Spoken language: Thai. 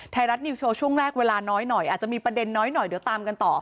ไทยรัฐนิวโชว์ช่วงแรกเวลาน้อยหน่อยอาจจะมีประเด็นน้อยหน่อยเดี๋ยวตามกันต่อ